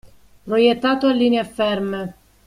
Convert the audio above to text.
Proiettato a linee ferme.